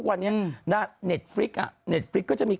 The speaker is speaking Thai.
พี่เอิ้นยังเป็นผู้ธีพะใช่หละ